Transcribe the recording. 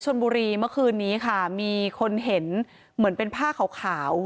ชนบุรีเมื่อคืนนี้ค่ะมีคนเห็นเหมือนเป็นผ้าขาว